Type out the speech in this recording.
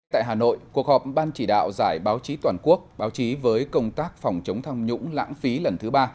tại hà nội cuộc họp ban chỉ đạo giải báo chí toàn quốc báo chí với công tác phòng chống tham nhũng lãng phí lần thứ ba